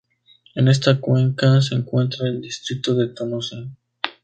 En esta cuenca se encuentra el distrito de Tonosí.